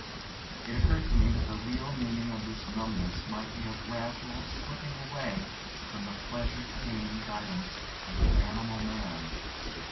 It occurred to me that the real meaning of this numbness might be a gradual slipping away from the pleasure pain guidance of the animal man.